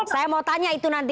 saya mau tanya itu nanti